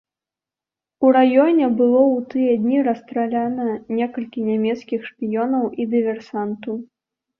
У раёне было ў тыя дні расстраляна некалькі нямецкіх шпіёнаў і дыверсантаў.